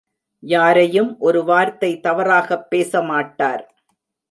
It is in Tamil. யாரையும் ஒரு வார்த்தை தவறாகப் பேசமாட்டார்.